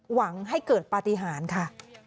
หวังให้เกิดปฏิหารค่ะ